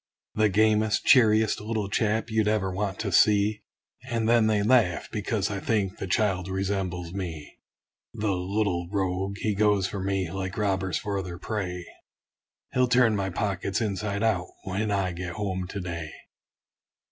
The gamest, cheeriest little chap, you'd ever want to see! And then they laugh, because I think the child resembles me. The little rogue! he goes for me, like robbers for their prey; He'll turn my pockets inside out, when I get home to day.